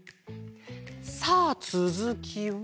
さあつづきは。